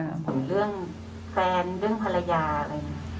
เรื่องแฟนเรื่องภรรยาอะไรนะ